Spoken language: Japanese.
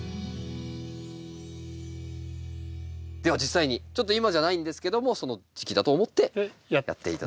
では実際にちょっと今じゃないんですけどもその時期だと思ってやって頂きたいと思います。